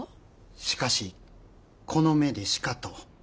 しかしこの目でしかと。